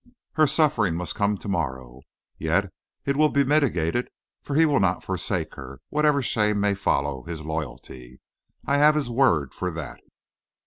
Her suffering must come to morrow; yet it will be mitigated, for he will not forsake her, whatever shame may follow his loyalty. I have his word for that."